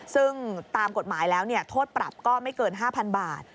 ซึ่งตามกฎหมายแล้วโทษปรับก็ไม่เกิน๕๐๐๐บาท